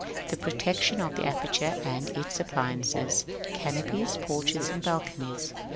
The protection of the aperture, and its appliances, i.e., canopies, porches, and balconies.